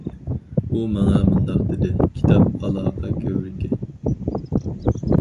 ئۇ ماڭا مۇنداق دېدى: كىتاب ئالاقە كۆۋرۈكى.